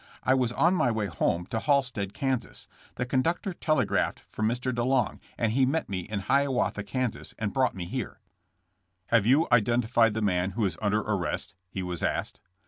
I was on my way home to Halstead, Kas. The con ductor telegraphed for Mr. DeLong, and he met me at Hiawatha, Kas., and brought me here.'' Have you identified the man who is under ar rest?" he was asked.